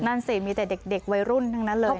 นั่นสิมีแต่เด็กวัยรุ่นทั้งนั้นเลย